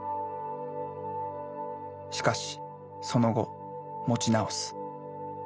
しかしその後持ち直す。